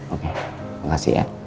oke makasih ya